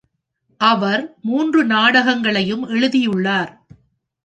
அவர் மூன்று நாடகங்களையும் எழுதியுள்ளார்.